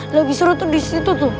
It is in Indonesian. lebih seru tuh di situ tuh